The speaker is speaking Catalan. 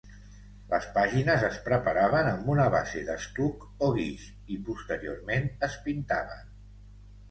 Les pàgines es preparaven amb una base d'estuc o guix, i posteriorment es pintaven.